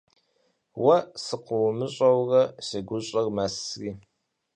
Уэ сыкъыумыщӀэурэ си гущӀэр мэсри.